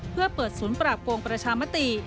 เพื่อเปิดศูนย์ปราบโกงประชามติ